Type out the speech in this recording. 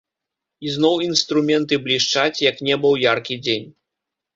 І зноў інструменты блішчаць, як неба ў яркі дзень.